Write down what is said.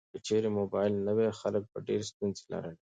که چیرې موبایل نه وای، خلک به ډیر ستونزې لرلې.